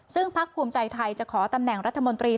ซึ่งพักภูมิใจไทยจะขอตำแหน่งรัฐมนตรี